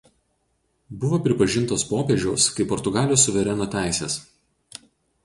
Buvo pripažintos popiežiaus kaip Portugalijos suvereno teisės.